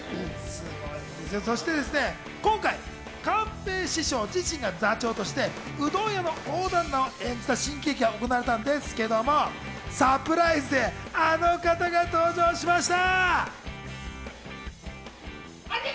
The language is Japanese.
今回、寛平師匠自身が座長としてうどん屋の大旦那を演じた新喜劇も行われたんですけども、サプライズであの方が登場しました。